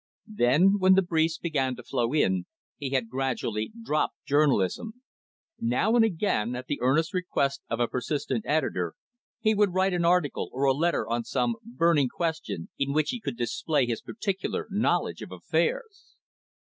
Then, when the briefs began to flow in, he had gradually dropped journalism. Now and again, at the earnest request of a persistent editor, he would write an article or a letter on some burning question, in which he could display his particular knowledge of affairs.